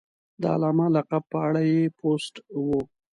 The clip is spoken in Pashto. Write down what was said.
د علامه لقب په اړه یې پوسټ و.